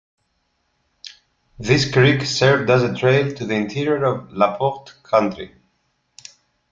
This creek served as a trail to the interior of LaPorte County.